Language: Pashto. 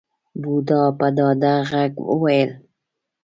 بوډا په ډاډه غږ وويل.